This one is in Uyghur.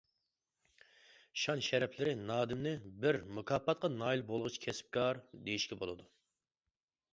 شان-شەرەپلىرى نادىمنى بىر «مۇكاپاتقا نائىل بولغۇچى كەسىپكار» دېيىشكە بولىدۇ.